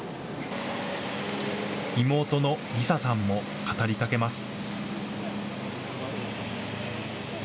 妹のりささんも語りかけます。